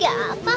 iya emang luah